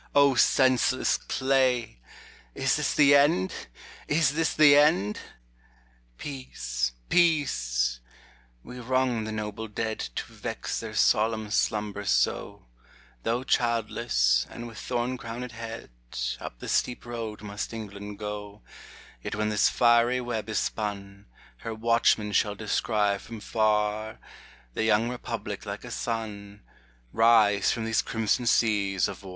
O senseless clay ! Is this the end ! is this the end ! Peace, peace ! we wrong the noble dead To vex their solemn slumber so ; Though childless, and with thorn crowned head, Up the steep road must England go, Yet when this fiery web is spun, Her watchmen shall descry from far The young Republic like a sun Rise from these crimson seas of war.